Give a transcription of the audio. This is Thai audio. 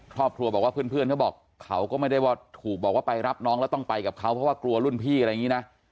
ถูกบอกว่าไปรับน้องแล้วต้องไปกับเขาเพราะว่ากลัวรุ่นพี่อะไรอย่างนี้นะ